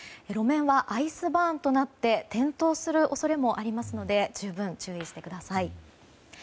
路面はアイスバーンとなって転倒する恐れもありますので十分注意してください。